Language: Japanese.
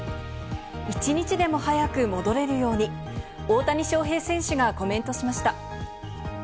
１日でも早く戻れるように大谷翔平選手がコメントしました。